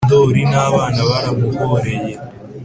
ndoli n’abana baramuhoreye.